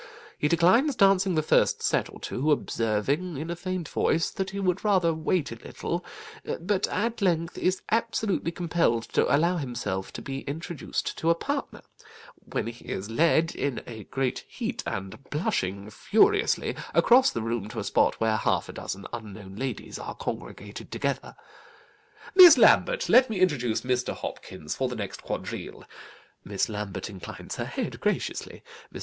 He declines dancing the first set or two, observing, in a faint voice, that he would rather wait a little; but at length is absolutely compelled to allow himself to be introduced to a partner, when he is led, in a great heat and blushing furiously, across the room to a spot where half a dozen unknown ladies are congregated together. 'Miss Lambert, let me introduce Mr. Hopkins for the next quadrille.' Miss Lambert inclines her head graciously. Mr.